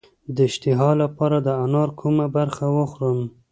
د اشتها لپاره د انار کومه برخه وخورم؟